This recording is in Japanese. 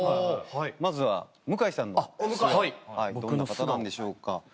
まずは向井さんの素顔どんな方なんでしょうか？